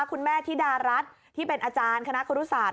คุณแม่ธิดารัฐที่เป็นอาจารย์คณะครูรุศาสต